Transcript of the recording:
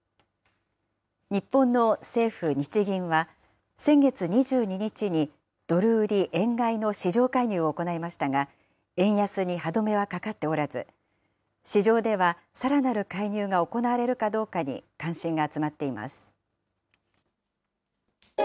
日本の政府・日銀は、先月２２日にドル売り円買いの市場介入を行いましたが、円安に歯止めは掛かっておらず、市場ではさらなる介入が行われるかどうかに関心が集まっています。